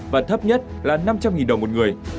và thấp nhất là năm trăm linh đồng một người